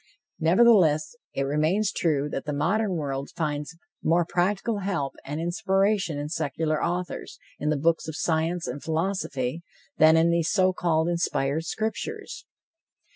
Nevertheless, it remains true that the modern world finds more practical help and inspiration in secular authors, in the books of science and philosophy, than in these so called inspired scriptures.